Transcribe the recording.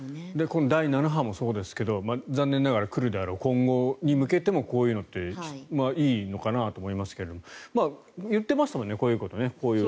この第７波もそうですが残念ながら来るであろう今後に向けてもこういうのっていいのかなと思いますが言っていましたよね